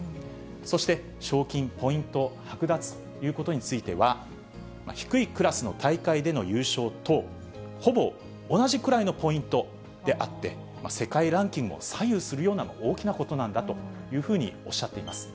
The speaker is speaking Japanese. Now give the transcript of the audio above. そして、賞金、ポイント剥奪ということについては、低いクラスの大会での優勝と、ほぼ同じくらいのポイントであって、世界ランキングも左右するような大きなことなんだというふうにおっしゃっています。